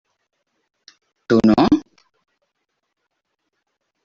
Tu no?